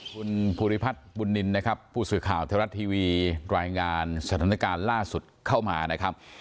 คุณภูริพัฒน์บุญนินนะครับผู้สื่อข่าวไทยรัฐทีวีรายงานสถานการณ์ล่าสุดเข้ามานะครับ